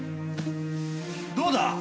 どうだ？